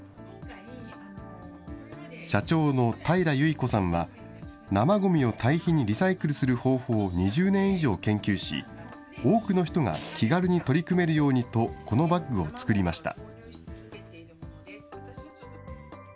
社長のたいら由以子さんは、生ごみを堆肥にリサイクルする方法を２０年以上研究し、多くの人が気軽に取り組めるようにと、このバッグを作りました。